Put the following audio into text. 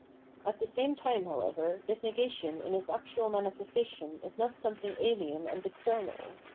At the same time, however, this negation in its actual manifestation is not something ahen and external.